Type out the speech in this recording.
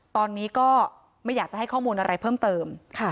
ตอนนี้ก็ไม่อยากจะให้ข้อมูลอะไรเพิ่มเติม